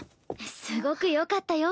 すごくよかったよ